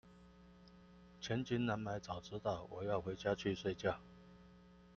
千金難買早知道，我要回家去睡覺